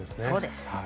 そうです。